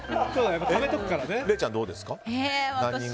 礼ちゃんどうですか？